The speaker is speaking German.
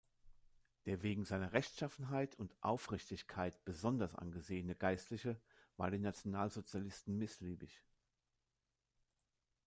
Der wegen seiner Rechtschaffenheit und Aufrichtigkeit besonders angesehene Geistliche war den Nationalsozialisten missliebig.